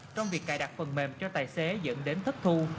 trong việc cài đặt phần mềm cho tài xế dẫn đến thất thu